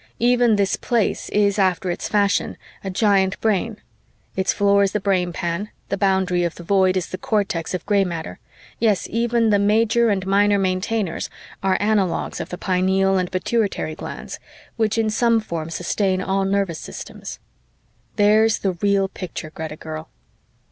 Even this Place is, after its fashion, a giant brain: its floor is the brainpan, the boundary of the Void is the cortex of gray matter yes, even the Major and Minor Maintainers are analogues of the pineal and pituitary glands, which in some form sustain all nervous systems. "There's the real picture, Greta girl."